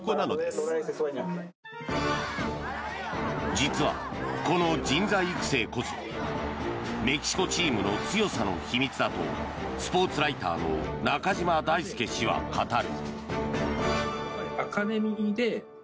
実は、この人材育成こそメキシコチームの強さの秘密だとスポーツライターの中島大輔氏は語る。